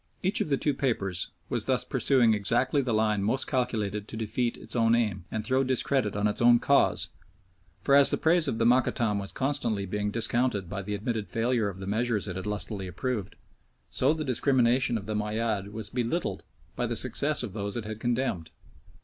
Each of the two papers was thus pursuing exactly the line most calculated to defeat its own aim, and throw discredit on its own cause, for as the praise of the Mokattam was constantly being discounted by the admitted failure of the measures it had lustily approved, so the discrimination of the Moayyad was belittled by the success of those it had condemned.